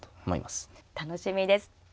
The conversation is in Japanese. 楽しみです。